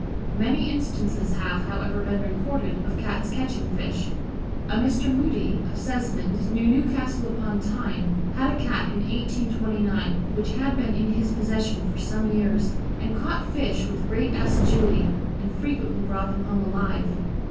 Many instances have, however, been recorded of Cats catching fish. A Mr. Moody, of Sesmond, near Newcastle upon Tyne, had a Cat in 1829 which had been in his possession for some years, and caught fish with great assiduity, and frequently brought them home alive.